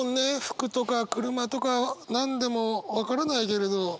服とか車とか何でも分からないけれど。